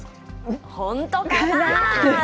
本当かなぁ！